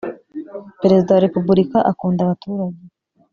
perezida wa lepubulika akunda abaturage